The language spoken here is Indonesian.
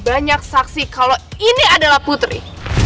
banyak saksi kalau ini adalah putri